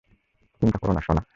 চিন্তা করো না, সোনা।